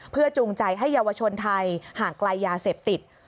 เพื่อจูงใจให้เยาวชนไทยห่างไกลยาเสพติด